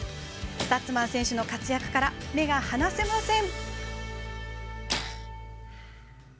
スタッツマン選手の活躍から目が離せません。